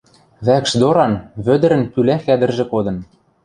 Вӓкш доран Вӧдӹрӹн пӱлӓ хӓдӹржӹ кодын.